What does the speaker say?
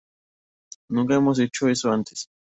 Nunca hemos hecho eso antes".